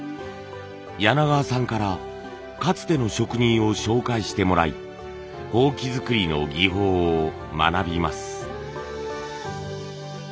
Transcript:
柳川さんからかつての職人を紹介してもらい箒作りの技法を学びます。